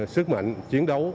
sức mạnh chiến đấu